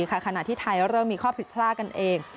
ขณะที่ไทยเริ่มมีข้อผิดพลาดกันเอง